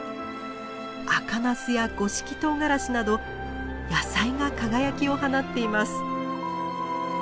赤ナスや五色とうがらしなど野菜が輝きを放っています。